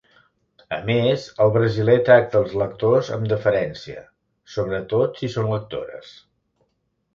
A més, el brasiler tracta els lectors amb deferència, sobretot si són lectores.